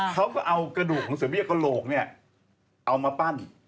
เขาก็เอากระดูกของเสือเบี้ยกระโหลกเนี่ยเอามาปั้น